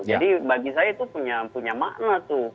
jadi bagi saya itu punya makna tuh